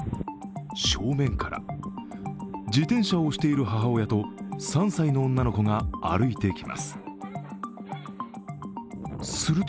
正面から自転車を押している母親と３歳の女の子が歩いてきます。